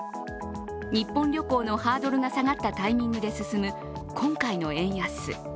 日本旅行のハードルが下がったタイミングで進む今回の円安。